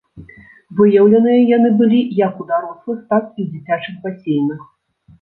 Выяўленыя яны былі як у дарослых, так і ў дзіцячых басейнах.